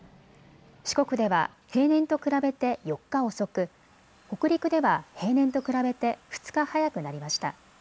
四国では平年と比べて４日遅く北陸では平年と比べて２日早くなりました。